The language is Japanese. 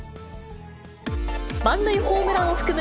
満塁ホームランを含む